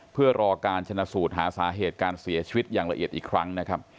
เพื่อรอการชนะสูตรหาสาเหตุการเสียชีวิตอย่างละเอียดอีกครั้งนะครับ